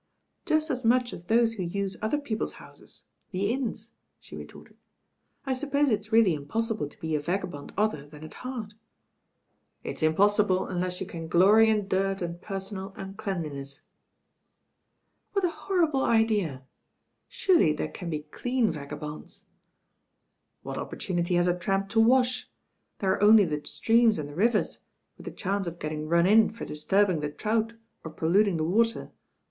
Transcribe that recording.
"Just as much as those who use other people's houses — ^the inns," she retorted. "I suppose it's really impossible to be a vagabond other than at heart." "It's impossible unless you can glory in dirt and personal uncleanliness." "What a horrible idea. Surely there can be clean vagabonds." "What opportunity has a tramp to wash ? There are only the streams and the rivers, with the chance of getting run in for disturbing the trout or pollut ing the water.